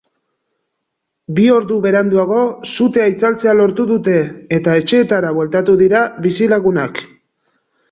Bi ordu beranduago sutea itzaltzea lortu dute eta etxeetara bueltatu dira bizilagunak.